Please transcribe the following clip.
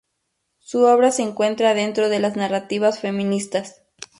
Su obra se encuentra dentro de las narrativas feministas.